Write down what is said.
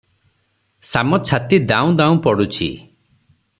ଶାମ ଛାତି ଦାଉଁ ଦାଉଁ ପଡୁଛି ।